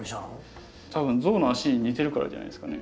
多分象のあしに似てるからじゃないですかね？